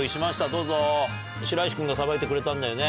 どうぞ白石君がさばいてくれたんだよね。